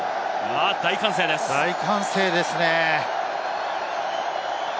大歓声です。